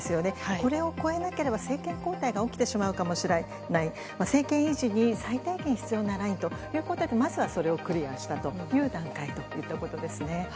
これを超えなければ政権交代が起きてしまうかもしれない、政権維持に最低限必要なラインということで、まずはそれをクリアしたという段階といったことですね。